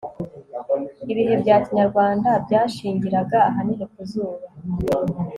ibihe bya kinyarwanda byashingiraga ahanini ku zuba